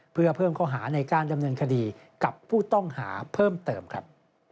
เพื่อเพิ่มข้อหาในการดำเนินคดีกับผู้ต้องหาเพิ่มเติมครับ